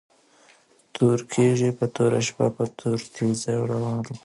تور کيږی په توره شپه په توره تيږه روان وو